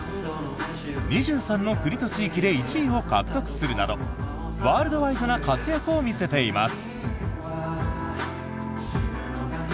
２３の国と地域で１位を獲得するなどワールドワイドな活躍を見せています。